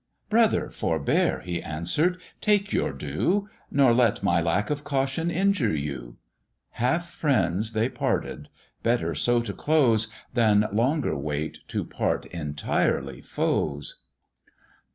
"Brother forbear," he answer'd; "take your due, Nor let my lack of caution injure you:" Half friends they parted, better so to close, Than longer wait to part entirely foes.